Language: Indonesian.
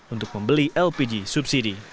untuk membeli lpg subsidi